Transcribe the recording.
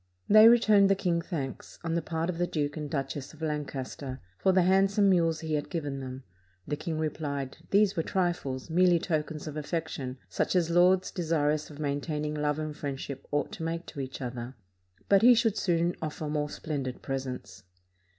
They returned the king thanks, on the part of the Duke and Duchess of Lancaster, for the handsome mules he had given them. The king repHed, these were trifles, merely tokens of affection, such as lords desirous of maintaining love and friendship ought to make to each other; but he should soon offer more splendid pres ents.